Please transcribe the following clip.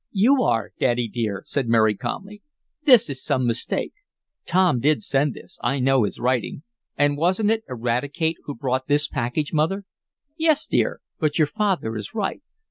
"You are, Daddy dear!" said Mary calmly. "This is some mistake. Tom did send this I know his writing. And wasn't it Eradicate who brought this package, Mother?" "Yes, my dear. But your father is right.